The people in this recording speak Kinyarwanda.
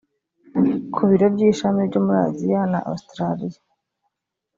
ku biro by ishami byo muri aziya na ositaraliya